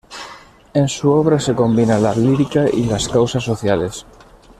En su obra se combina la lírica y las causas sociales.